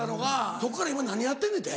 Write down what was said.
そっから今何やってんねんて？